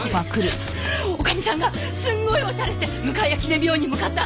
女将さんがすんごいおしゃれして向谷記念病院に向かった。